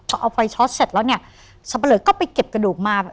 พอเอาไฟช็อตเสร็จแล้วเนี่ยสับปะเลิก็ไปเก็บกระดูกมา